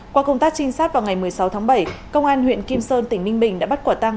qua công tác trinh sát vào ngày một mươi sáu tháng bảy công an huyện kim sơn tỉnh ninh bình đã bắt quả tăng